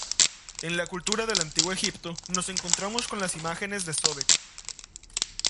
En la cultura del antiguo Egipto nos encontramos con las imágenes de Sobek.